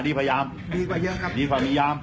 ดีกว่าดีกว่าดีกว่าดีกว่าดีกว่าดีกว่า